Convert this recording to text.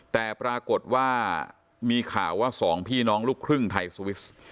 แต่ปรากฏว่ามีข่าวว่าสองพี่น้องลูกครึ่งไทยสวิส